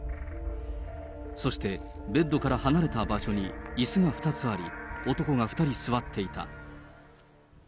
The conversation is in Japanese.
そして、ベッドから離れた場所にいすが２つあり、男が２人座っていた。